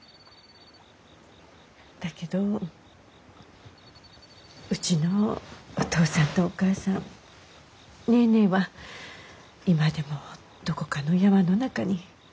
だけどうちのお父さんとお母さんネーネーは今でもどこかの山の中に。